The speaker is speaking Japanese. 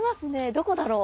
どこだろう？